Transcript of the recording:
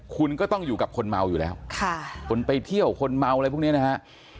คุณก็ต้องอยู่กับคนเมาอยู่แล้วคนไปเที่ยวคนเมาอะไรพวกนี้นะฮะ